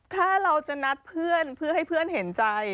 ถ้าเราจะนัดเพื่อนเพื่อให้เพื่อนเห็นใจ